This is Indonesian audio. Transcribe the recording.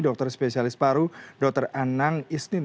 dr spesialis paru dr anang isnin